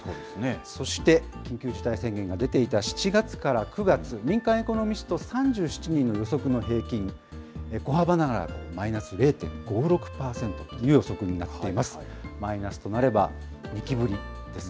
そして緊急事態宣言が出ていた７月から９月、民間エコノミスト３７人の予測の平均、小幅ながらマイナス０．５６％という予測になっています。